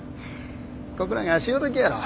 ここらが潮時やろ。